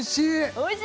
おいしい！